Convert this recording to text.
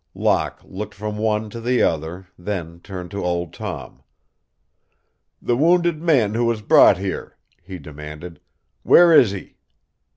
Locke looked from one to the other, then turned to Old Tom. "The wounded man who was brought here," he demanded, "where is he?"